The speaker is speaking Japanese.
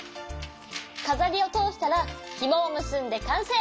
かざりをとおしたらひもをむすんでかんせい！